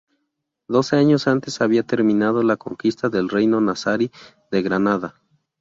Doce años antes había terminado la conquista del reino nazarí de Granada.